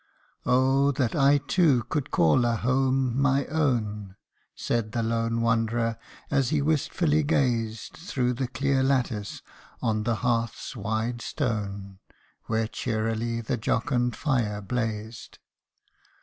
" Oh ! that I too could call a home my own !" Said the lone wanderer, as he wistful gazed Through the clear lattice, on the hearth's wide stone, Where cheerily the jocund fire blazed.